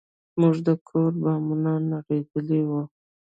زموږ د کور بامونه نړېدلي وو.